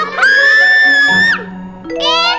ihh kamu berhenti